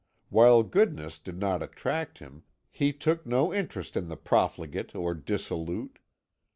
While goodness did not attract him, he took no interest in the profligate or dissolute.